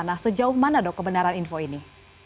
nah sejauh mana dok kebenaran info ini